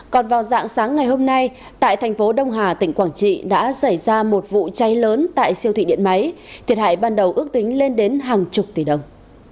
còn vào dạng sáng ngày hôm nay tại thành phố đông hà tỉnh quảng trị đã xảy ra một vụ cháy lớn tại siêu thị điện máy thiệt hại ban đầu ước tính lên đến hàng chục tỷ đồng